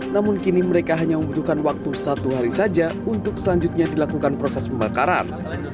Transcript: namun kini mereka hanya membutuhkan waktu satu hari saja untuk selanjutnya dilakukan proses pembakaran